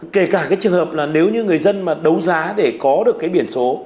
kể cả cái trường hợp là nếu như người dân mà đấu giá để có được cái biển số